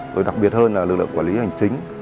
rồi đặc biệt hơn là lực lượng quản lý hành chính